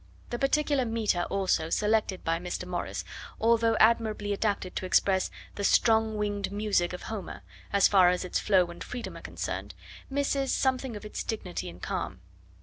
The particular metre, also, selected by Mr. Morris, although admirably adapted to express 'the strong winged music of Homer,' as far as its flow and freedom are concerned, misses something of its dignity and calm.